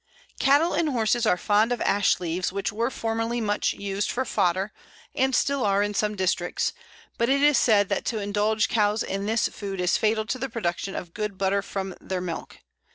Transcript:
] Cattle and horses are fond of Ash leaves, which were formerly much used for fodder, and still are in some districts; but it is said that to indulge cows in this food is fatal to the production of good butter from their milk.